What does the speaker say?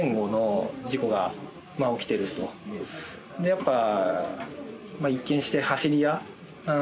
やっぱ。